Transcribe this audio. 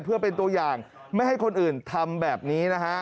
เพื่อเป็นตัวอย่างไม่ให้คนอื่นทำแบบนี้นะฮะ